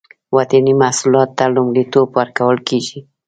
وطني محصولاتو ته لومړیتوب ورکول کیږي